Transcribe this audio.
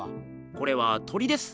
これは鳥です。